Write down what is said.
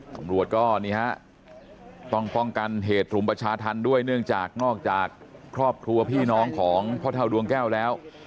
ตำรวจก็นี่ฮะต้องป้องกันเหตุรุมประชาธรรมด้วยเนื่องจากนอกจากครอบครัวพี่น้องของพ่อเท่าดวงแก้วแล้ว